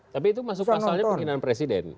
tapi itu masuk pasalnya penghinaan presiden